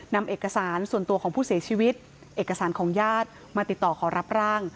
นำเอกสารส่วนตัวของผู้เสียชีวิตเอกสารของญาติมาติดต่อขอรับร่าง